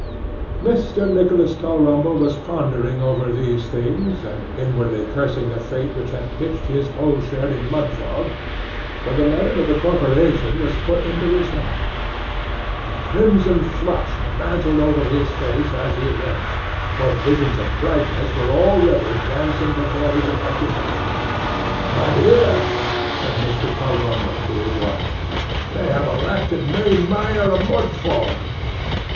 Mr. Nicholas Tulrumble was pondering over these things, and inwardly cursing the fate which had pitched his coal shed in Mudfog, when the letter of the corporation was put into his hand. A crimson flush mantled over his face as he read it, for visions of brightness were already dancing before his imagination. 'My dear,' said Mr. Tulrumble to his wife, 'they have elected me, Mayor of Mudfog.